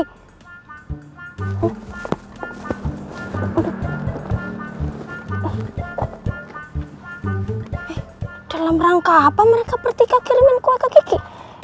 eh dalam rangka apa mereka bertiga kirimin kue ke kiki